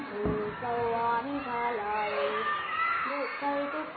ไม่ว่าเจ้าไม่หน่วยก็สุดมาเป็นลูกพ่อ